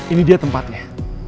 ini dia tempatnya